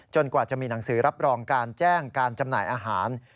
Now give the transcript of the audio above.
กว่าจะมีหนังสือรับรองการแจ้งการจำหน่ายอาหาร